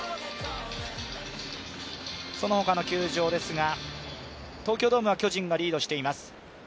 その他の球場ですが、東京ドームは巨人がリードしています。